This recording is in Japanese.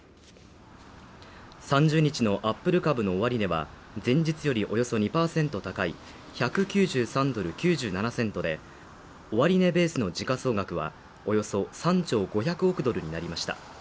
３０日のアップル株の終値は、前日よりおよそ２％高い１９３ドル９７セントで、終値ベースの時価総額はおよそ３兆５００億ドルになりました。